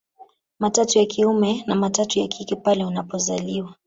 Matatu ya kiume na matatu ya kike pale unapozaliwa